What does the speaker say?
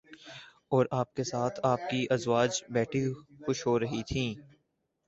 اور آپ کے ساتھ آپ کی ازواج بیٹھی خوش ہو رہی تھیں